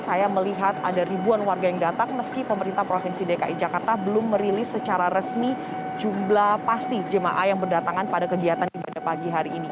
saya melihat ada ribuan warga yang datang meski pemerintah provinsi dki jakarta belum merilis secara resmi jumlah pasti jemaah yang berdatangan pada kegiatan ibadah pagi hari ini